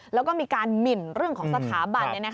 แล้วก็มีการหมินเรื่องของสถาบัน